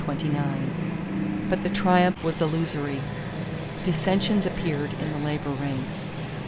But the triumph was illusory. Dissensions appeared in the labor ranks.